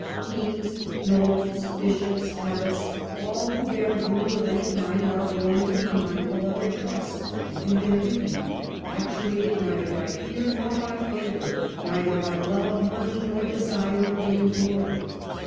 Kings, nobles, bishops, abbots, all who bear rule of any kind, are warned to be mindful of their trust, and do their duty, actuated neither by fear nor by favour, neither by love of money nor desire of vain glory.